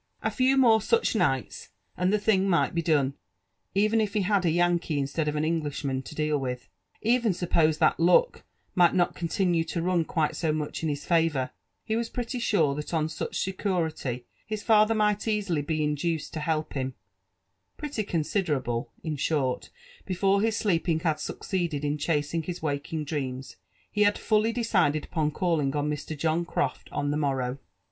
A few more sucb JONAtHAN JEFFERMN WHITLAW. «1* oi^ti ffnd the thing might be done, even if he had a Yankee instead of ta Englishman to deal with. Even suppose that luck might not conr trmieto run quite 90 much in his favour, he was pretty sure that on inch security his father might easily be induced to help him pretty considerable:" in short, before Itis sleeping had succeeded in chasing bis waking dreams, he bad fully decided upon calling on Mr. John Croft on the morrow.